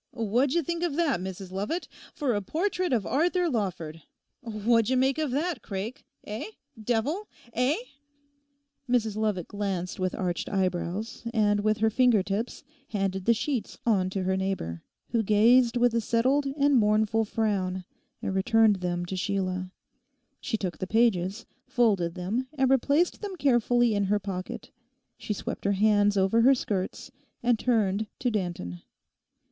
What d'ye think of that, Mrs Lovat, for a portrait of Arthur Lawford? What d'ye make of that, Craik—eh? Devil—eh?' Mrs Lovat glanced with arched eyebrows, and with her finger tips handed the sheets on to her neighbour, who gazed with a settled and mournful frown and returned them to Sheila. She took the pages, folded them and replaced them carefully in her pocket. She swept her hands over her skirts, and turned to Danton.